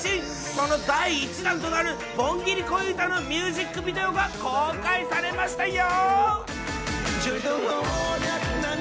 その第１弾となる盆ギリ恋歌のミュージックビデオが公開されましたよ。